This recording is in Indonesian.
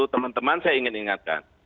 teman teman saya ingin ingatkan